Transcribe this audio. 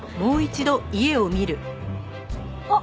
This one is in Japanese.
あっ！